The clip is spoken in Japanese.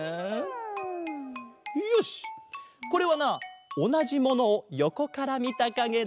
これはなおなじものをよこからみたかげだ。